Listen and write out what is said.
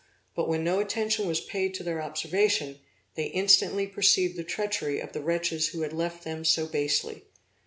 but when no attention was paid to their observation, they instantly perceived the treachery of the wretches who had left them so basely.